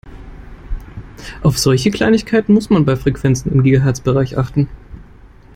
Auf solche Kleinigkeiten muss man bei Frequenzen im Gigahertzbereich achten.